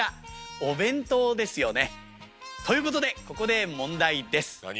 お弁当ですよね。ということで、ここで問題です。